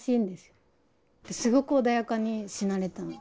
すごく穏やかに死なれたの。